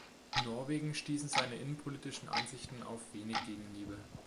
In Norwegen stießen seine innenpolitischen Ansichten auf wenig Gegenliebe.